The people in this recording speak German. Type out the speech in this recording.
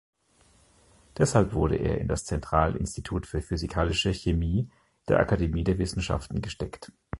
Deshalb wurde er in das Zentralinstitut für Physikalische Chemie der Akademie der Wissenschaften gesteckt.